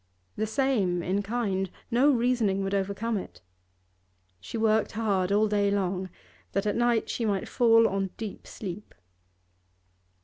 The same in kind; no reasoning would overcome it. She worked hard all day long, that at night she might fall on deep sleep.